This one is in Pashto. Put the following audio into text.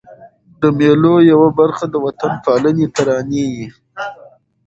د مېلو یوه برخه د وطن پالني ترانې يي.